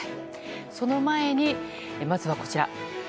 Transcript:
その前に、まずはこちら。